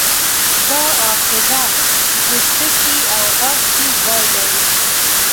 دا آخذه په پوستکي او غوږ کې ځای لري.